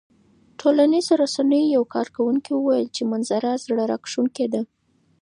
ټولنیزو رسنیو یو کاروونکي وویل چې منظره زړه راښکونکې ده.